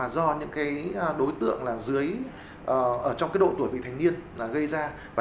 do những đối tượng dưới độ tuổi vị thành niên gây ra